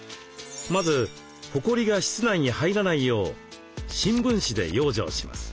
まずほこりが室内に入らないよう新聞紙で養生します。